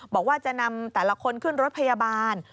บอกว่าจะนำแต่ละคนขึ้นรถพยาบาล